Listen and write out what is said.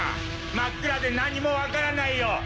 真っ暗で何も分からないよ。